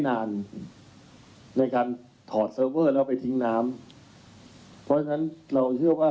นานในการถอดแล้วไปทิ้งน้ำเพราะฉะนั้นเราเชื่อว่า